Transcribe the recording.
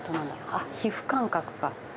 あっ皮膚感覚か。